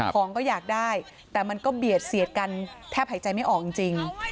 ของก็อยากได้แต่มันก็เบียดเสียดกันแทบหายใจไม่ออกจริง